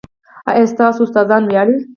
ایا ستاسو استادان ویاړي؟